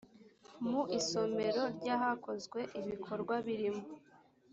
mu isomero rya hakozwe ibikorwa birimo